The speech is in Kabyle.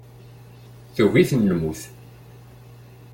Tugi-ten lmut.